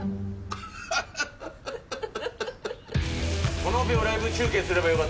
このオペをライブ中継すればよかったんだ。